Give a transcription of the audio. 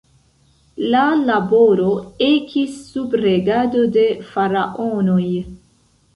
La laboro ekis sub regado de Faraonoj.